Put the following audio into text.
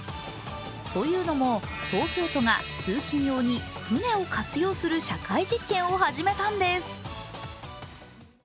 というのも、東京都が通勤用に船を活用する社会実験を始めたんです。